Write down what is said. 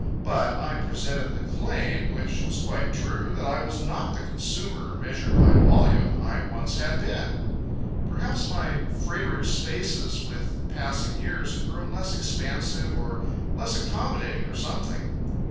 But I presented the claim, which was quite true, that I was not the consumer, measured by volume, I once had been. Perhaps my freighterage spaces, with passing years, had grown less expansive or less accommodating or something.